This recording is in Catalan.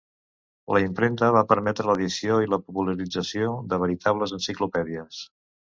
La impremta va permetre l’edició i la popularització de veritables enciclopèdies.